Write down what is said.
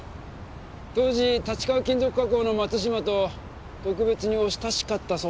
当時立川金属加工の松島と特別にお親しかったそうですね。